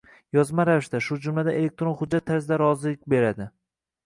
yozma ravishda, shu jumladan elektron hujjat tarzida rozilik beradi.